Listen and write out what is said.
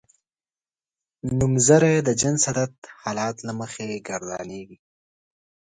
نومځری د جنس عدد حالت له مخې ګردانیږي.